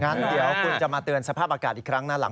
งั้นเดี๋ยวคุณจะมาเตือนสภาพอากาศอีกครั้งน่ารัก